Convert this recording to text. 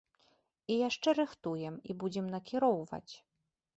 І яшчэ рыхтуем і будзем накіроўваць.